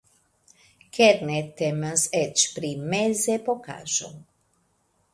Kerne temas eĉ pri mezepokaĵo!